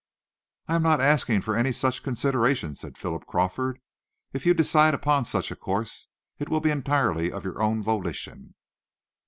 "I am not asking for any such consideration," said Philip Crawford. "If you decide upon such a course, it will be entirely of your own volition."